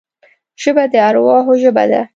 ژبه د ارواحو ژبه ده